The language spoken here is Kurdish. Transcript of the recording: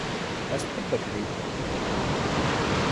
Ez pir betilîm.